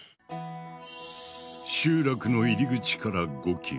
集落の入り口から５ｋｍ。